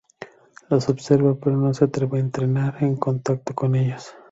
Los observa pero no se atreve a entrar en contacto con ellos.